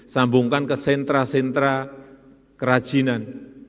sambungkan ke sentra sentra kerajinan